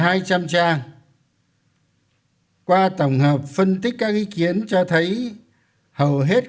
qua tổng hợp phân tích các ý kiến cho thấy hầu hết các ý kiến đều thể hiện sự tâm huyết thẳng thắn tinh thần trách nhiệm cao đối với đảng với nhân dân và đất nước